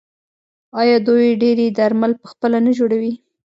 آیا دوی ډیری درمل پخپله نه جوړوي؟